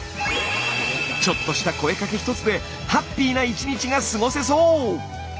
ちょっとした声かけ一つでハッピーな１日が過ごせそう！